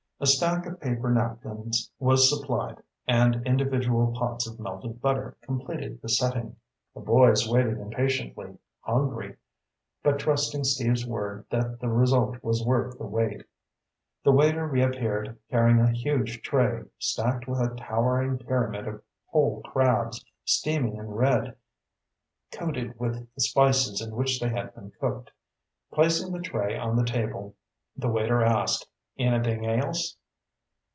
A stack of paper napkins was supplied, and individual pots of melted butter completed the setting. The boys waited impatiently, hungry, but trusting Steve's word that the result was worth the wait. The waiter reappeared carrying a huge tray, stacked with a towering pyramid of whole crabs, steaming and red, coated with the spices in which they had been cooked. Placing the tray on the table, the waiter asked, "Anything else?"